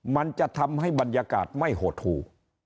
มันจะทำให้บรรยากาศไม่หดหู่